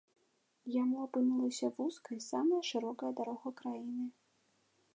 Яму апынулася вузкай самая шырокая дарога краіны.